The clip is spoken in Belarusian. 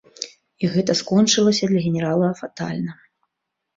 І гэта скончылася для генерала фатальна.